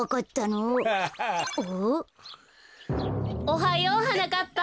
おはようはなかっぱ。